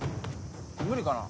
無理かな？